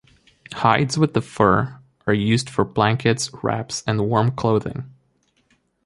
Hides with the fur are used for blankets, wraps, and warm clothing.